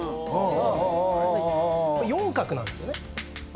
４画なんですよね。